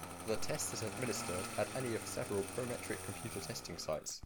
The test is administered at any of several Prometric computer testing sites.